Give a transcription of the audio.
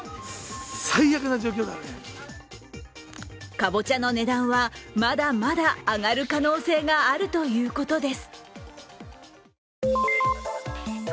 かぼちゃの値段は、まだまだ上がる可能性があるということです。